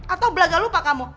atau belaga lupa kamu